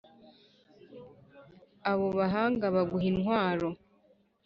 Abo bahanga baguha intwaro